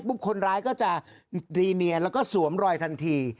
คนร้ายก็จะรีเนียนแล้วก็สวมรอยทันที